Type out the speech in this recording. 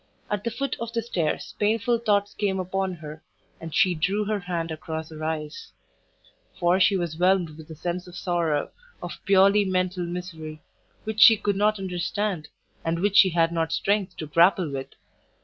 At the foot of the stairs painful thoughts came upon her, and she drew her hand across her eyes; for she was whelmed with a sense of sorrow, of purely mental misery, which she could not understand, and which she had not strength to grapple with.